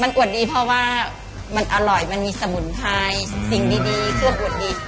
อวดดีเพราะว่ามันอร่อยมันมีสมุนไพรสิ่งดีเครื่องอวดดิบ